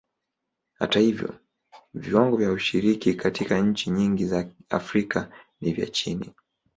Hata hivyo, viwango vya ushiriki katika nchi nyingi za Afrika ni vya chini.